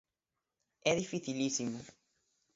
É dificilísimo.